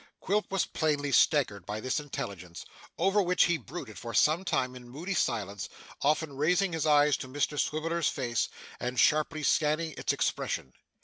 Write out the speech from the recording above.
Quilp was plainly staggered by this intelligence, over which he brooded for some time in moody silence, often raising his eyes to Mr Swiveller's face, and sharply scanning its expression.